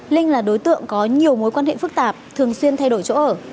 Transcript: linh là đối tượng có nhiều mối quan hệ phức tạp thường xuyên thay đổi chỗ ở